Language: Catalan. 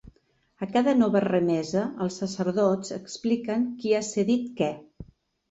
A cada nova remesa els sacerdots expliquen qui ha cedit què.